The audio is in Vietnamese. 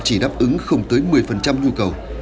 chỉ đáp ứng không tới một mươi nhu cầu